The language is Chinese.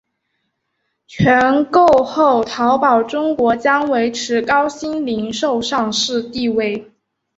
全购后淘宝中国将维持高鑫零售上市地位。